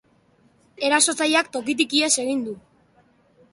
Erasotzaileak tokitik ihes egin du.